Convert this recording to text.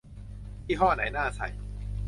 ยี่ห้อไหนน่าใส่